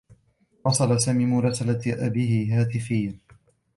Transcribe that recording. واصل سامي مراسلة أبيه هاتفيّا.